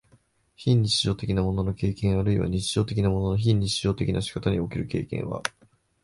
非日常的なものの経験あるいは日常的なものの非日常的な仕方における経験は、